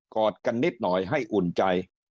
อดกันนิดหน่อยให้อุ่นใจ